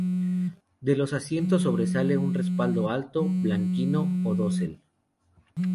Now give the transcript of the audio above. De los asientos sobresale un respaldo alto, baldaquino o dosel.